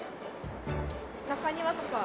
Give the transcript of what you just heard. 中庭とか。